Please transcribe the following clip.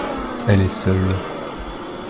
Elle est seule.